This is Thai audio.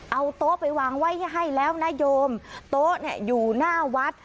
เอาโต๊ะไปวางไว้ให้แล้วนะโยมโต๊ะเนี่ยอยู่หน้าวัด